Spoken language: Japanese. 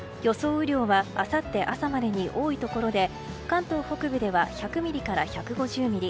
雨量はあさって朝までに多いところで関東北部では１００ミリから１５０ミリ